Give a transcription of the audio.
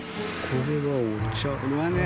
これはね